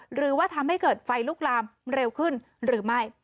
หรือว่าทำให้เกิดไฟลุกลามเร็วขึ้นหรือไม่